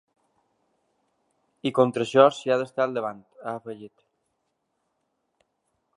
I contra això s’hi ha d’estar al davant, ha afegit.